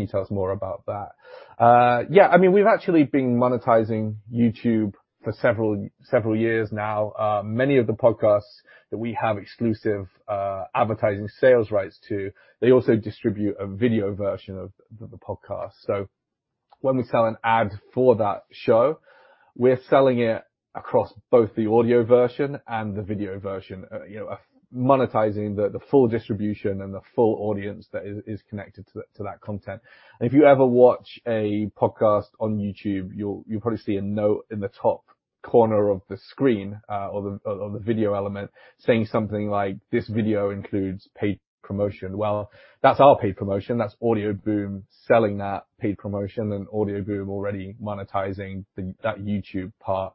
you tell us more about that? Yeah, I mean, we've actually been monetizing YouTube for several years now. Many of the podcasts that we have exclusive advertising sales rights to, they also distribute a video version of the podcast. So when we sell an ad for that show, we're selling it across both the audio version and the video version, monetizing the full distribution and the full audience that is connected to that content. And if you ever watch a podcast on YouTube, you'll probably see a note in the top corner of the screen or the video element saying something like, "This video includes paid promotion." Well, that's our paid promotion. That's Audioboom selling that paid promotion. And Audioboom already monetizing that YouTube part.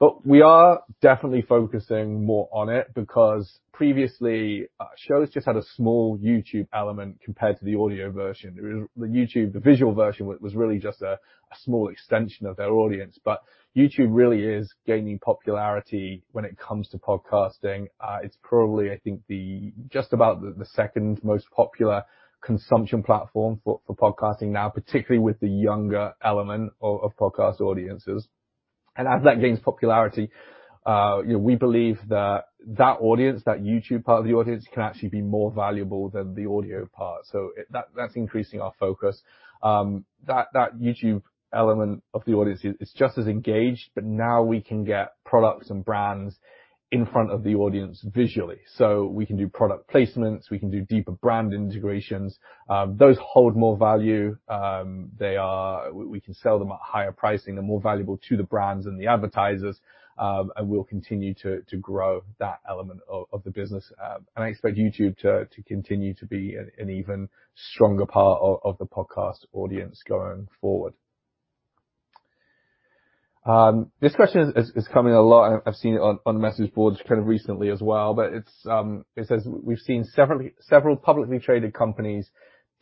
But we are definitely focusing more on it because previously, shows just had a small YouTube element compared to the audio version. The visual version was really just a small extension of their audience. But YouTube really is gaining popularity when it comes to podcasting. It's probably, I think, just about the second most popular consumption platform for podcasting now, particularly with the younger element of podcast audiences. And as that gains popularity, we believe that that audience, that YouTube part of the audience, can actually be more valuable than the audio part. So that's increasing our focus. That YouTube element of the audience is just as engaged. But now we can get products and brands in front of the audience visually. So we can do product placements. We can do deeper brand integrations. Those hold more value. We can sell them at higher pricing. They're more valuable to the brands and the advertisers. And we'll continue to grow that element of the business. And I expect YouTube to continue to be an even stronger part of the podcast audience going forward. This question is coming a lot. I've seen it on message boards kind of recently as well. But it says, "We've seen several publicly traded companies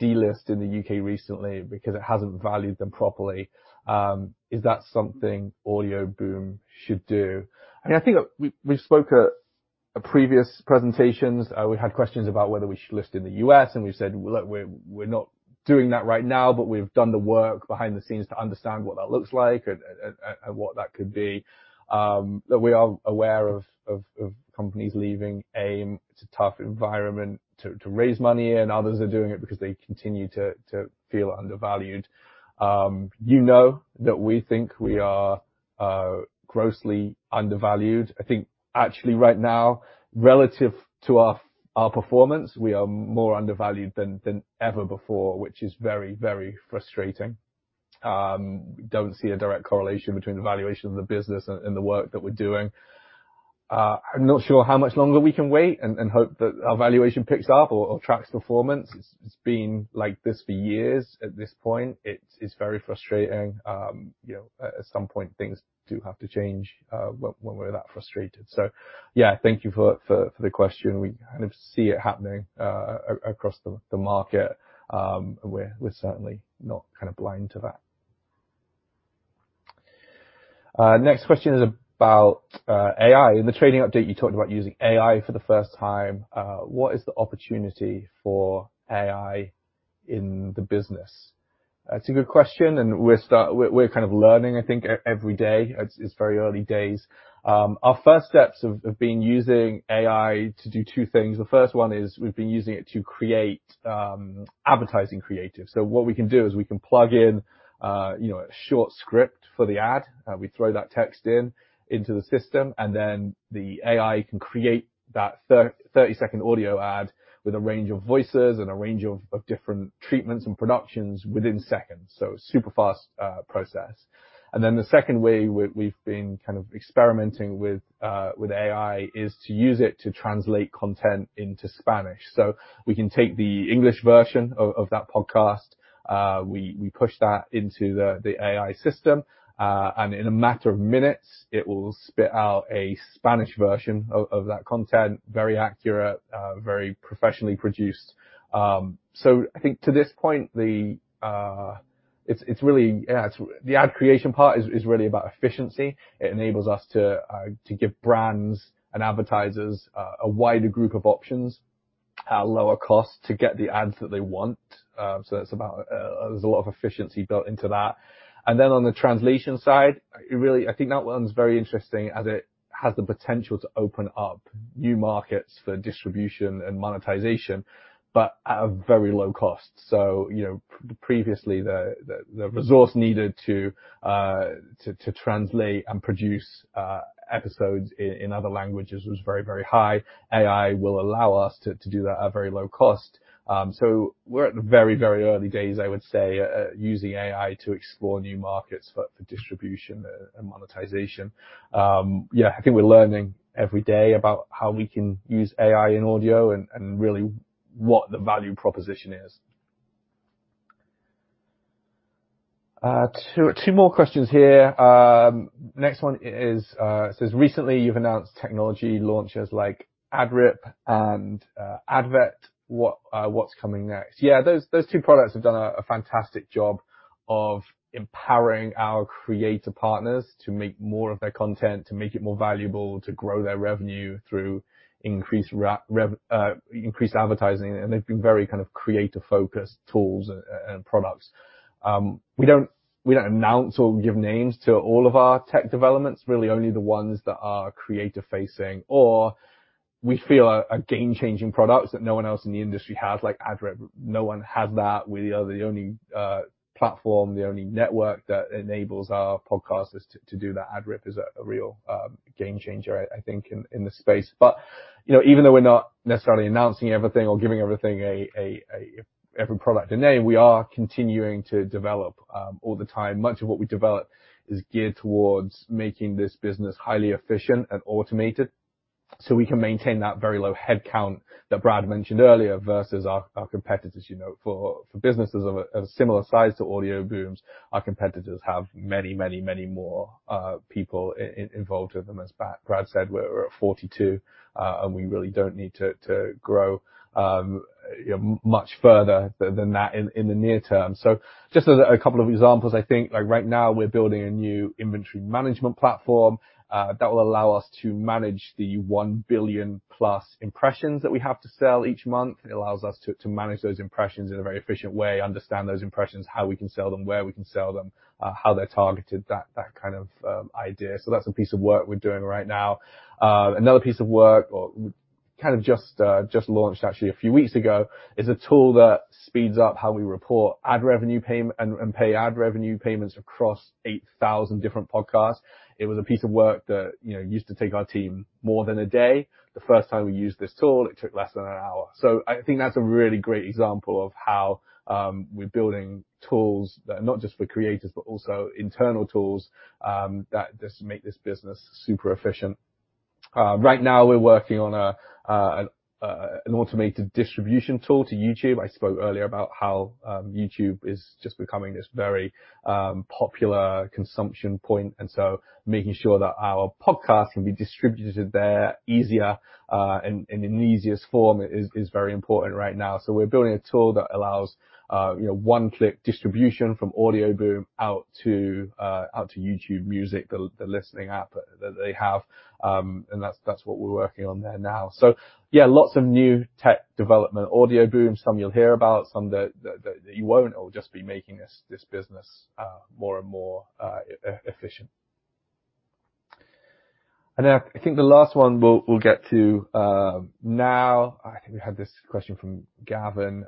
delist in the U.K. recently because it hasn't valued them properly. Is that something Audioboom should do?" I mean, I think we've spoke at previous presentations. We had questions about whether we should list in the U.S. And we've said, "Look, we're not doing that right now. But we've done the work behind the scenes to understand what that looks like and what that could be." We are aware of companies leaving AIM to a tough environment to raise money in. Others are doing it because they continue to feel undervalued. You know that we think we are grossly undervalued. I think, actually, right now, relative to our performance, we are more undervalued than ever before, which is very, very frustrating. We don't see a direct correlation between the valuation of the business and the work that we're doing. I'm not sure how much longer we can wait and hope that our valuation picks up or tracks performance. It's been like this for years at this point. It is very frustrating. At some point, things do have to change when we're that frustrated. So yeah, thank you for the question. We kind of see it happening across the market. We're certainly not kind of blind to that. Next question is about AI. In the trading update, you talked about using AI for the first time. What is the opportunity for AI in the business? It's a good question. We're kind of learning, I think, every day. It's very early days. Our first steps have been using AI to do two things. The first one is we've been using it to create advertising creatives. So what we can do is we can plug in a short script for the ad. We throw that text into the system. And then the AI can create that 30-second audio ad with a range of voices and a range of different treatments and productions within seconds. So super fast process. And then the second way we've been kind of experimenting with AI is to use it to translate content into Spanish. So we can take the English version of that podcast. We push that into the AI system. And in a matter of minutes, it will spit out a Spanish version of that content, very accurate, very professionally produced. So I think, to this point, it's really yeah, the ad creation part is really about efficiency. It enables us to give brands and advertisers a wider group of options at a lower cost to get the ads that they want. So there's a lot of efficiency built into that. And then on the translation side, I think that one's very interesting as it has the potential to open up new markets for distribution and monetization, but at a very low cost. So previously, the resource needed to translate and produce episodes in other languages was very, very high. AI will allow us to do that at a very low cost. So we're at the very, very early days, I would say, using AI to explore new markets for distribution and monetization. Yeah, I think we're learning every day about how we can use AI in audio and really what the value proposition is. Two more questions here. Next one says, "Recently, you've announced technology launches like AdRip and AdVet. What's coming next?" Yeah, those two products have done a fantastic job of empowering our creator partners to make more of their content, to make it more valuable, to grow their revenue through increased advertising. And they've been very kind of creator-focused tools and products. We don't announce or give names to all of our tech developments, really only the ones that are creator-facing. Or we feel are game-changing products that no one else in the industry has, like AdRip. No one has that. We are the only platform, the only network that enables our podcasters to do that. AdRip is a real game-changer, I think, in the space. But even though we're not necessarily announcing everything or giving everything every product a name, we are continuing to develop all the time. Much of what we develop is geared towards making this business highly efficient and automated so we can maintain that very low headcount that Brad mentioned earlier versus our competitors. For businesses of a similar size to Audioboom's, our competitors have many, many, many more people involved with them. As Brad said, we're at 42. We really don't need to grow much further than that in the near term. Just as a couple of examples, I think, right now, we're building a new inventory management platform that will allow us to manage the 1 billion-plus impressions that we have to sell each month. It allows us to manage those impressions in a very efficient way, understand those impressions, how we can sell them, where we can sell them, how they're targeted, that kind of idea. That's a piece of work we're doing right now. Another piece of work, or kind of just launched, actually, a few weeks ago, is a tool that speeds up how we report ad revenue payment and pay ad revenue payments across 8,000 different podcasts. It was a piece of work that used to take our team more than a day. The first time we used this tool, it took less than an hour. So I think that's a really great example of how we're building tools that are not just for creators, but also internal tools that just make this business super efficient. Right now, we're working on an automated distribution tool to YouTube. I spoke earlier about how YouTube is just becoming this very popular consumption point. And so making sure that our podcast can be distributed there easier and in the easiest form is very important right now. So we're building a tool that allows one-click distribution from Audioboom out to YouTube Music, the listening app that they have. And that's what we're working on there now. So yeah, lots of new tech development. Audioboom, some you'll hear about, some that you won't. It will just be making this business more and more efficient. And then I think the last one we'll get to now. I think we had this question from Gavin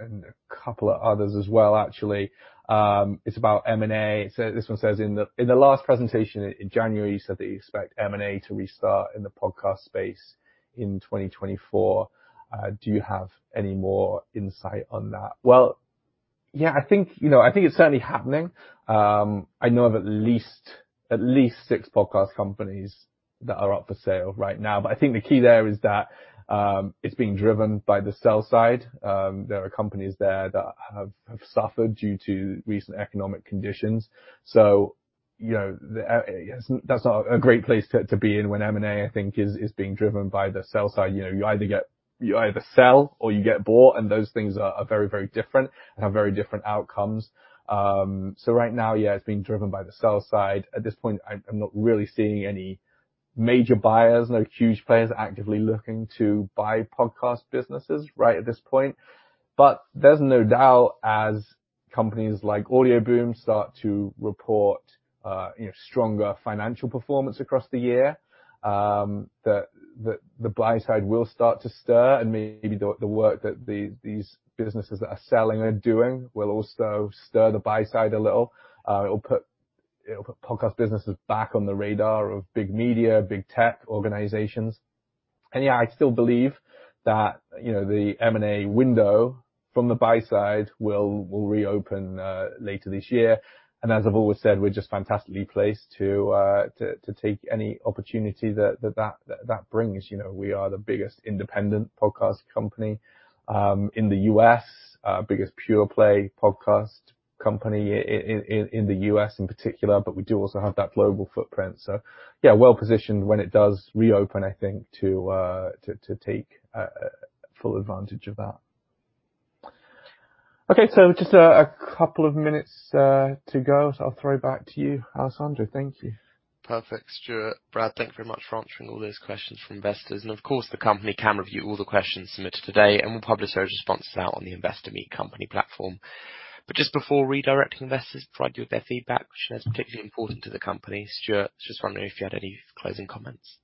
and a couple of others as well, actually. It's about M&A. This one says, "In the last presentation in January, you said that you expect M&A to restart in the podcast space in 2024. Do you have any more insight on that?" Well, yeah, I think it's certainly happening. I know of at least six podcast companies that are up for sale right now. But I think the key there is that it's being driven by the sell-side. There are companies there that have suffered due to recent economic conditions. So that's not a great place to be in when M&A, I think, is being driven by the sell-side. You either sell or you get bought. And those things are very, very different and have very different outcomes. So right now, yeah, it's being driven by the sell-side. At this point, I'm not really seeing any major buyers, no huge players actively looking to buy podcast businesses right at this point. But there's no doubt, as companies like Audioboom start to report stronger financial performance across the year, that the buy-side will start to stir. And maybe the work that these businesses that are selling and doing will also stir the buy-side a little. It will put podcast businesses back on the radar of big media, big tech organizations. And yeah, I still believe that the M&A window from the buy-side will reopen later this year. And as I've always said, we're just fantastically placed to take any opportunity that that brings. We are the biggest independent podcast company in the U.S., biggest pure-play podcast company in the U.S. in particular. But we do also have that global footprint. So yeah, well-positioned when it does reopen, I think, to take full advantage of that. OK, so just a couple of minutes to go. So I'll throw it back to you, Alessandro. Thank you. Perfect, Stuart. Brad, thank you very much for answering all those questions from investors. And of course, the company can review all the questions submitted today. And we'll publish those responses out on the Investor Meet Company platform. But just before redirecting investors, I'd like to hear their feedback, which I know is particularly important to the company. Stuart, I was just wondering if you had any closing comments.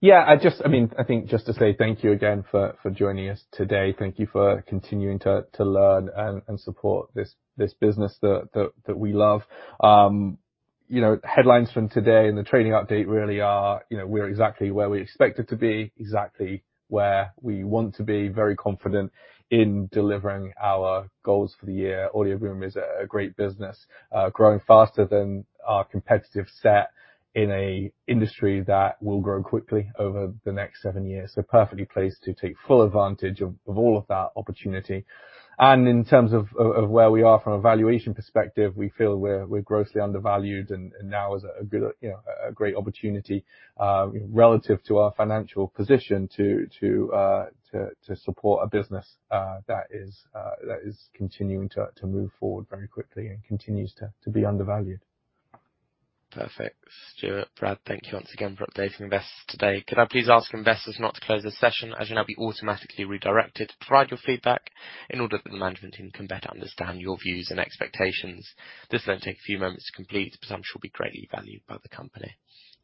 Yeah, I mean, I think just to say thank you again for joining us today. Thank you for continuing to learn and support this business that we love. Headlines from today and the trading update really are, we're exactly where we expect it to be, exactly where we want to be, very confident in delivering our goals for the year. Audioboom is a great business, growing faster than our competitive set in an industry that will grow quickly over the next seven years. So perfectly placed to take full advantage of all of that opportunity. And in terms of where we are from a valuation perspective, we feel we're grossly undervalued. Now is a great opportunity relative to our financial position to support a business that is continuing to move forward very quickly and continues to be undervalued. Perfect. Stuart, Brad, thank you once again for updating investors today. Could I please ask investors not to close this session? As you know, it will be automatically redirected. Provide your feedback in order that the management team can better understand your views and expectations. This will take a few moments to complete, but I'm sure it will be greatly valued by the company.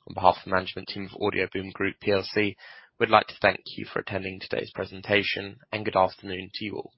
On behalf of the management team of Audioboom Group PLC, we'd like to thank you for attending today's presentation. Good afternoon to you all.